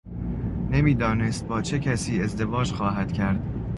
نمیدانست با چه کسی ازدواج خواهد کرد.